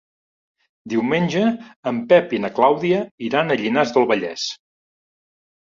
Diumenge en Pep i na Clàudia iran a Llinars del Vallès.